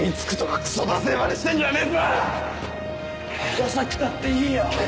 ダサくたっていいよ。